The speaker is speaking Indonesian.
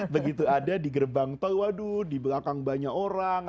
begitu ada di gerbang tol waduh di belakang banyak orang